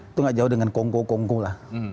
itu tidak jauh dengan kongko kongko lah